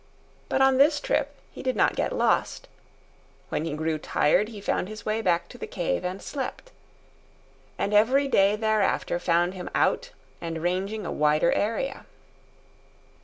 But on this trip he did not get lost. When he grew tired, he found his way back to the cave and slept. And every day thereafter found him out and ranging a wider area.